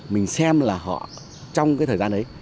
mình xem là họ trong cái thời gian ấy